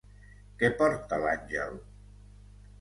Què porta l'àngel?